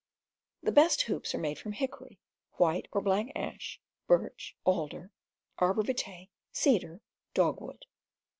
The best hoops are made from hickory, white or black ash, birch, alder, arbor vitse, cedar, dogwood.